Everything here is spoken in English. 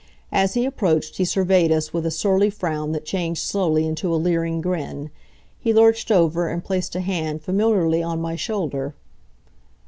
As he approached he surveyed us with a surly frown that changed slowly into a leering grin. He lurched over and placed a hand familiarly on my shoulder.